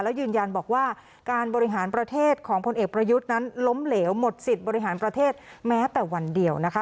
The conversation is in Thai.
แล้วยืนยันบอกว่าการบริหารประเทศของพลเอกประยุทธ์นั้นล้มเหลวหมดสิทธิ์บริหารประเทศแม้แต่วันเดียวนะคะ